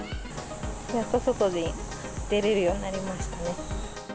やっと外に出れるようになりましたね。